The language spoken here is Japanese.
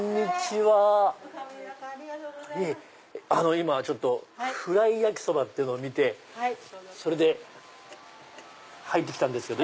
今ふらいやきそばっていうのを見てそれで入って来たんですけど。